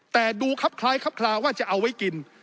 แต่ดูครับคล้ายครับคลาว่าจะเอาไว้กิน